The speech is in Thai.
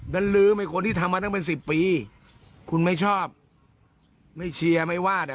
ลืมไหมคนที่ทำมาตั้งเป็นสิบปีคุณไม่ชอบไม่เชียร์ไม่วาดอ่ะ